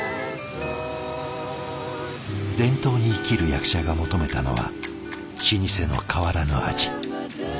伝統に生きる役者が求めたのは老舗の変わらぬ味。